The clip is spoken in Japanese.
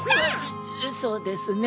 そうですね。